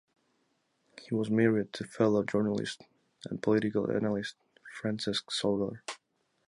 He was married to fellow journalist and political analyst Francesc Soler.